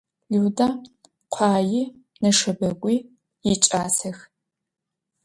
Lüda khuai neşşebegui yiç'asex.